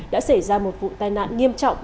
đã xảy ra một vụ tai nạn nghiêm trọng